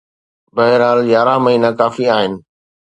بهرحال، يارهن مهينا ڪافي آهن.